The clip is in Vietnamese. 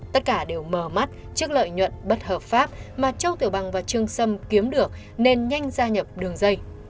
tất cả đều mờ mắt trước lợi nhuận bất hợp pháp mà châu tiểu bằng và trương sâm kiếm được nên nhanh gia nhập đường dây